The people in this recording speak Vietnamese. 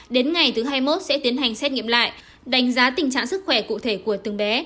đến ngày thứ hai mươi một sẽ tiến hành xét nghiệm lại đánh giá tình trạng sức khỏe cụ thể của từng bé